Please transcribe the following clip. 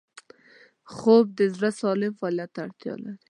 خوب د زړه سالم فعالیت ته اړتیا لري